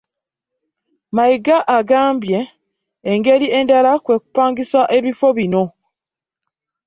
Mayiga agambye engeri endala kwe kupangisa ebifo bino